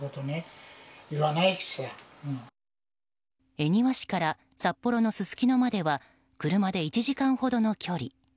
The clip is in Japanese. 恵庭市から札幌のすすきのまでは車で１時間ほどの距離。